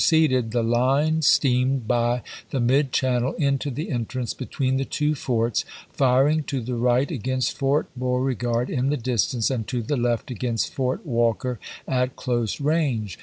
ceeded, the line steamed by the mid channel into the entrance between the two forts, firing to the right against Fort Beauregard in the distance, and to the left against Fort Walker at close range.